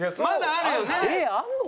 あるの？